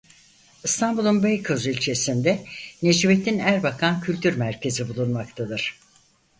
İstanbul'un Beykoz ilçesinde Necmettin Erbakan Kültür Merkezi bulunmaktadır.